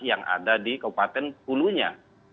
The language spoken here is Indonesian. yang ada di kabupaten hulunya